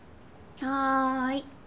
はい。